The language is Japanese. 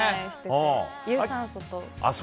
有酸素と。